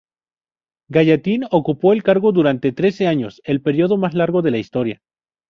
Gallatin ocupó el cargo durante trece años, el periodo más largo de la historia.